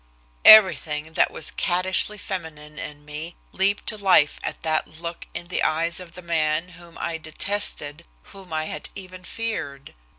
Everything that was cattishly feminine in me leaped to life at that look in the eyes of the man whom I detested, whom I had even feared.